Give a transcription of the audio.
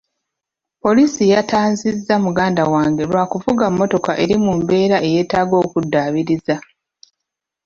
Poliisi yatanzizza muganda wange lwa kuvuga mmotoka eri mu mbeera eyetaaga okuddaabiriza.